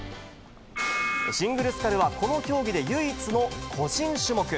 シングルスカルでは、この競技で唯一の個人種目。